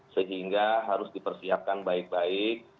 sehingga harus dipersiapkan baik baik